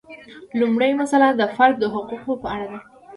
لومړۍ مسئله د فرد د حقوقو په اړه ده.